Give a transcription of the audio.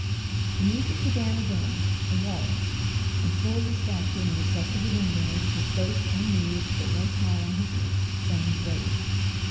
The music began again—a waltz—and, still as a statue in the recess of the window, his face unmoved, but no smile on his lips, Soames waited.